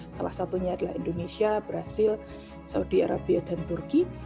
salah satunya adalah indonesia brazil saudi arabia dan turki